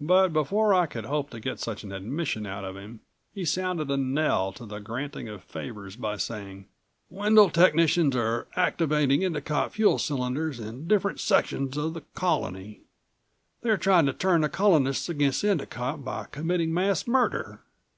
But before I could hope to get such an admission out of him he sounded a knell to the granting of favors by saying: "Wendel technicians are activating Endicott fuel cylinders in different sections of the Colony. They're trying to turn the Colonists against Endicott by committing mass murder.